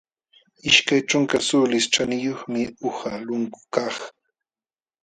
Ishkay ćhunka suulis ćhaniyuqmi uqa lunkukaq.